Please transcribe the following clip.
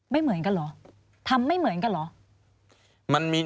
ไม่เหมือนกันเหรอทำไม่เหมือนกันเหรอ